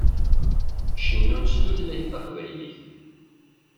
Cennun s tutlayt taqbaylit.